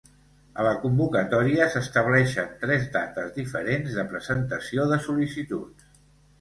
A la convocatòria s'estableixen tres dates diferents de presentació de sol·licituds.